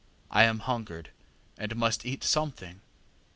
I am hungered, and must eat something.